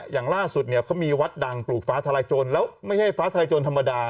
อย่างล่าสุดเนี่ยเขามีวัดดังปลูกฟ้าทลายโจรแล้วไม่ใช่ฟ้าทลายโจรธรรมดา